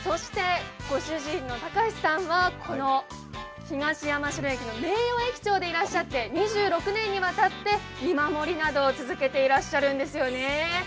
ご主人の孝さんは東山代駅の名誉駅長でいらっしゃいまして２６年にわたって見守りなど続けてらっしゃるんですよね。